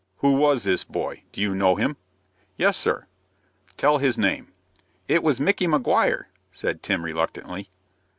"Who was this boy? Do you know him?" "Yes, sir." "Tell his name." "It was Micky Maguire," said Tim, reluctantly.